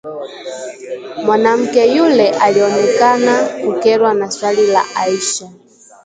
Mwanamke yule alionekana kukerwa na swali la Aisha